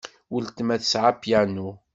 Weltma tesɛa apyanu.